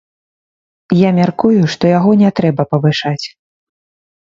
Я мяркую, што яго не трэба павышаць.